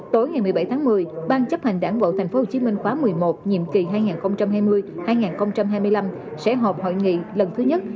tối ngày một mươi bảy tháng một mươi ban chấp hành đảng bộ thành phố hồ chí minh khóa một mươi một nhiệm kỳ hai nghìn hai mươi hai nghìn hai mươi năm sẽ họp hội nghị lần thứ nhất